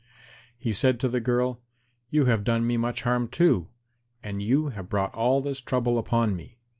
He said to the girl, "You have done me much harm too, and you have brought all this trouble upon me.